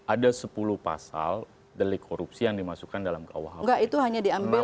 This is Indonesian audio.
ada sepuluh pasal delik korupsi yang dimasukkan dalam kuhp